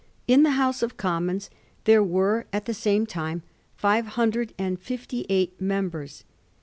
In the House of Commons there were at the same time five hun dred and fifty eight members.